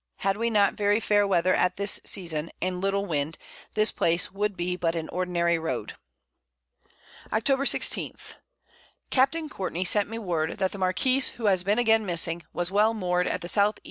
Had we not very fair Weather at this Season, and little Wind, this Place would be but an ordinary Road. Octob. 16. Capt. Courtney sent me word, that the Marquiss, who has been again missing, was well moored at the S. E.